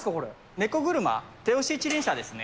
ネコ車、手押し一輪車ですね。